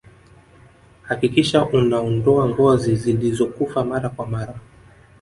hakikisha unaondoa ngozi zilizokufa mara kwa mara